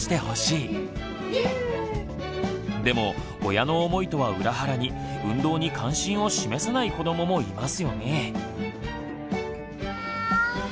でも親の思いとは裏腹に運動に関心を示さない子どももいますよね。